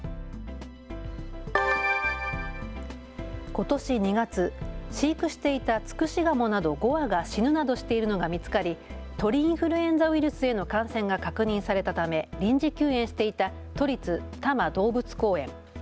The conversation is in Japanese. ことし２月、飼育していたツクシガモなど５羽が死ぬなどしているのが見つかり鳥インフルエンザウイルスへの感染が確認されたため臨時休園していた都立多摩動物公園。